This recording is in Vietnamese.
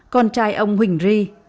con trai ông huỳnh ri